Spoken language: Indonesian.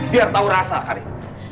biar tau rasa karim